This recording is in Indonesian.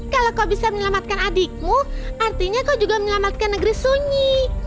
kalau kau bisa menyelamatkan adikmu artinya kau juga menyelamatkan negeri sunyi